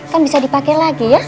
kan bisa dipakai lagi ya